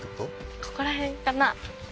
ここら辺かな？